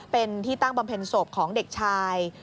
เป็นที่ตั้งบำเพ็ญศพของเด็กชาย